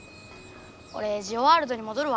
おれジオワールドにもどるわ。